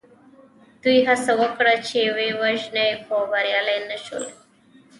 دوی هڅه وکړه چې ویې وژني خو بریالي نه شول.